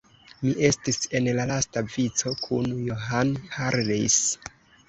Mi estis en la lasta vico, kun John Harris.